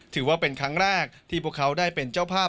ถือว่าเป็นครั้งแรกที่พวกเขาได้เป็นเจ้าภาพ